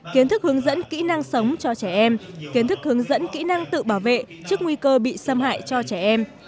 kiến thức hướng dẫn kỹ năng sống cho trẻ em kiến thức hướng dẫn kỹ năng tự bảo vệ trước nguy cơ bị xâm hại cho trẻ em